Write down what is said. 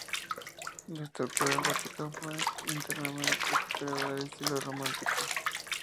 La estructura gótica fue internamente "recuperada" al estilo románico.